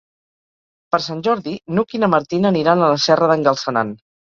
Per Sant Jordi n'Hug i na Martina aniran a la Serra d'en Galceran.